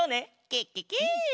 ケケケ！